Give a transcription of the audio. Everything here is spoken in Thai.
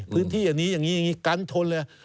พื้นที่อย่างนี้อย่างนี้กันชนเลย